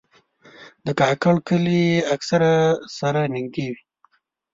د کاکړ کلي اکثره سره نږدې وي.